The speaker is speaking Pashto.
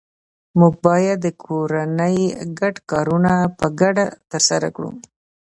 موږ باید د کورنۍ ګډ کارونه په ګډه ترسره کړو